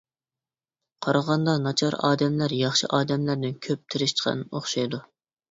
قارىغاندا ناچار ئادەملەر ياخشى ئادەملەردىن كۆپ تىرىشچان ئوخشايدۇ.